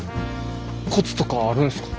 コツとかあるんすか？